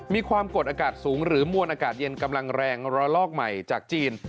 ความกดอากาศสูงหรือมวลอากาศเย็นกำลังแรงระลอกใหม่จากจีน